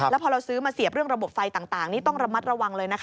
แล้วพอเราซื้อมาเสียบเรื่องระบบไฟต่างนี่ต้องระมัดระวังเลยนะคะ